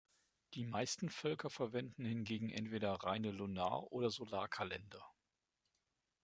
Die meisten Völker verwenden hingegen entweder reine Lunar- oder Solarkalender.